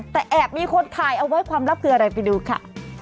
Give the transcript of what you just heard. แต่แอบมีคนถ่ายเอาไว้ความลับคืออะไรไปดูค่ะ